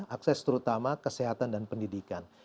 akses terutama kesehatan dan pendidikan